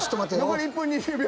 残り１分２０秒。